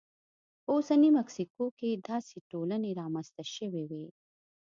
په اوسنۍ مکسیکو کې داسې ټولنې رامنځته شوې وې.